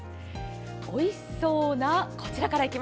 おいしそうな、こちら。